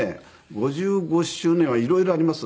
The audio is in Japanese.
５５周年は色々あります。